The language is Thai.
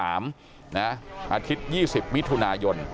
อาทิตยี่สิบมิถุนายน